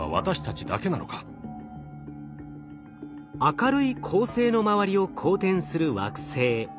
明るい恒星の周りを公転する惑星。